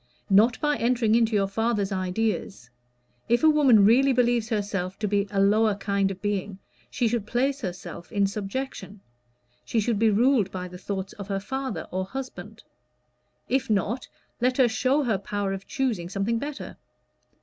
"Not by entering into your father's ideas. If a woman really believes herself to be a lower kind of being, she should place herself in subjection: she should be ruled by the thoughts of her father or husband. If not, let her show her power of choosing something better.